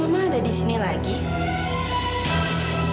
apaan sih dua baiknya gitu